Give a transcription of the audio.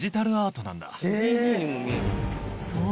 そう！